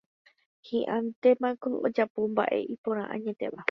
Hi'ãitémango ojapo mba'e iporã añetéva